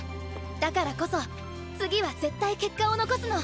だからこそ次は絶対結果を残すの。